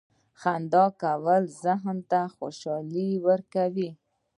• خندا کول ذهن ته خوشحالي ورکوي.